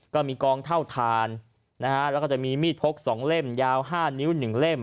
ก็มีกล้องเท่าทานแล้วก็จะมีมีดพกสองเล่มยาว๕นิ้วหนึ่งเล่ม